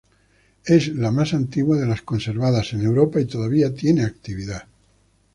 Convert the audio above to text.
Es la más antigua de las conservadas en Europa, y todavía tiene actividad.